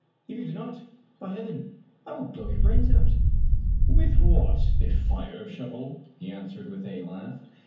If you do not, by heaven, I will blow your brains out !" "With what? The fire shovel?" he answered with a laugh.